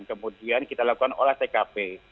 kemudian kita lakukan olah tkp